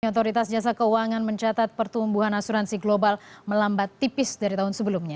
otoritas jasa keuangan mencatat pertumbuhan asuransi global melambat tipis dari tahun sebelumnya